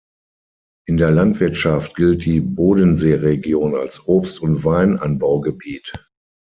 In der Landwirtschaft gilt die Bodenseeregion als Obst- und Weinanbaugebiet.